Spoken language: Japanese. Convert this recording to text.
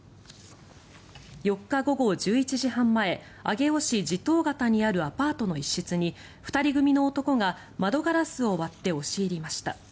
４日午後１１時半前上尾市地頭方にあるアパートの一室に２人組の男が窓ガラスを割って押し入りました。